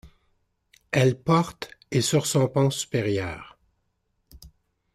Elle porte et sur son pont supérieur.